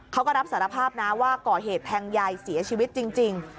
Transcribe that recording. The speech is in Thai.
เขาก็รับสารภาพนะว่าก่อเหตุแทงยายเสียชีวิตจริง